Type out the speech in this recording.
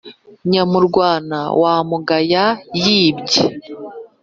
Nyamurwana wa Mugaya yi bye